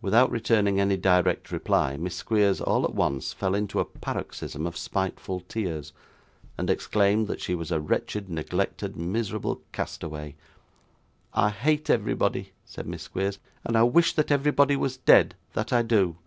Without returning any direct reply, Miss Squeers, all at once, fell into a paroxysm of spiteful tears, and exclaimed that she was a wretched, neglected, miserable castaway. 'I hate everybody,' said Miss Squeers, 'and I wish that everybody was dead that I do.